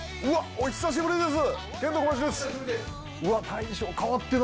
お久しぶりです。